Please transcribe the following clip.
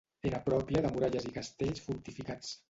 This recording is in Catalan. Era pròpia de muralles i castells fortificats.